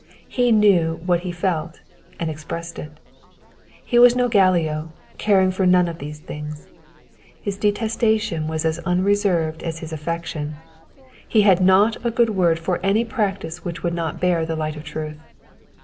He knew what he felt, and expressed it. He was no Gallio, caring for none of the things. His detestation was as unreserved as his affection ; he had not a good word for any practice which would not bear the light of truth.